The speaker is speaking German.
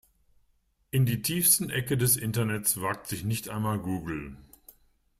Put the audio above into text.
In die tiefsten Ecken des Internets wagt sich nicht einmal Google.